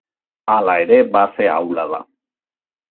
Hala ere base ahula da.